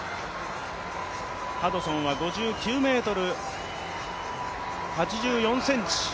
ハドソンは５９ｍ８４ｃｍ。